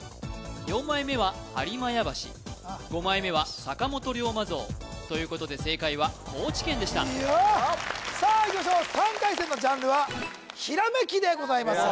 ４枚目ははりまや橋５枚目は坂本龍馬像ということで正解は高知県でしたさあいきましょう３回戦のジャンルはひらめきでございます